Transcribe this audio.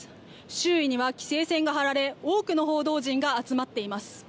周囲には規制線が張られ多くの報道陣が集まっています。